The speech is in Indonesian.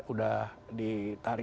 akibat dampak dari kerusuhan kemarin